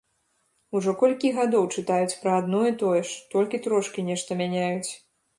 Ужо колькі гадоў чытаюць пра адно і тое ж, толькі трошкі нешта мяняюць.